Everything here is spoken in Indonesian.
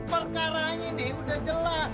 perkara ini udah jelas